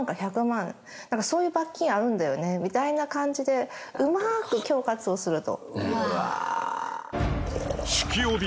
なんかそういう罰金あるんだよねみたいな感じでうまく恐喝をすると。